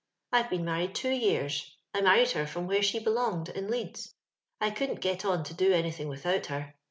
I've been married two years. I married her from where she belonged, in Leeds. I couldn't get on to do anything without her.